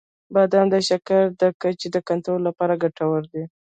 • بادام د شکر د کچې د کنټرول لپاره ګټور دي.